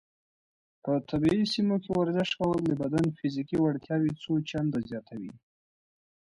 په طبیعي سیمو کې ورزش کول د بدن فزیکي وړتیاوې څو چنده زیاتوي.